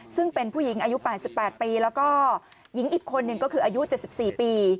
ซึ่งเป็นผู้หญิงอายุ๘๘ปีแล้วก็หญิงอีกคนหนึ่งก็คืออายุ๗๔ปี